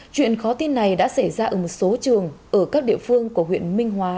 chuyện khó tin này đã xảy ra ở một số trường ở các địa phương của huyện minh hóa